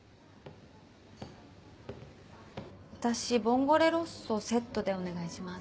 私ボンゴレロッソをセットでお願いします。